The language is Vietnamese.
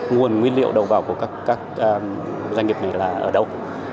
nguồn nguyên liệu đầu vào của các doanh nghiệp này là ở đâu